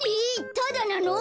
タダなの？